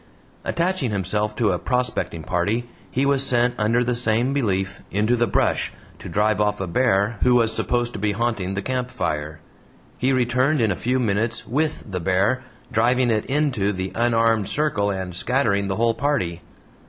Attaching himself to a prospecting party, he was sent under the same belief, "into the brush" to drive off a bear, who was supposed to be haunting the campfire. He returned in a few minutes WITH the bear, DRIVING IT INTO the unarmed circle and scattering the whole party.